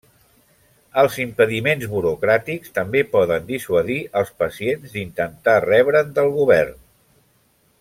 Els impediments burocràtics també poden dissuadir els pacients d'intentar rebre'n del govern.